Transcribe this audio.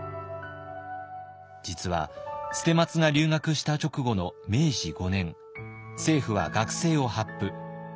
実は捨松が留学した直後の明治５年政府は学制を発布。